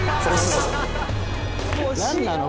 何なの？